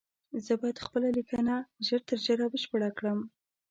زه بايد خپله ليکنه ژر تر ژره بشپړه کړم